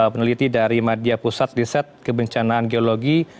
peneliti dari media pusat riset kebencanaan geologi